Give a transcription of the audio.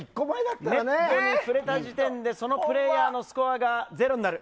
ネットに触れた時点でそのプレーヤーのスコアがゼロになる。